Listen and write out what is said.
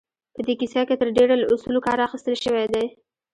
په دې کيسه کې تر ډېره له اصولو کار اخيستل شوی دی.